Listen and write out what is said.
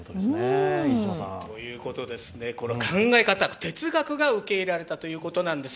考え方、哲学が受け入れられたということなんです。